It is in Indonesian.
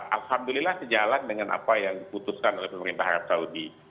alhamdulillah sejalan dengan apa yang diputuskan oleh pemerintah arab saudi